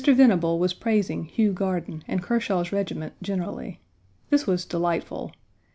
Venable was praising Hugh Garden and Kershaw's regiment generally. This was delightful.